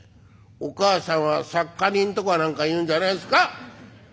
お母さんはサッカリンとかなんかいうんじゃないですか？」。